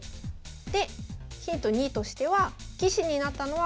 でヒント２としては棋士になったのは横山先生が先です。